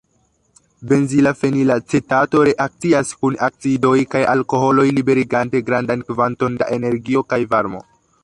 Benzila fenilacetato reakcias kun acidoj kaj alkoholoj liberigante grandan kvanton da energio kaj varmo.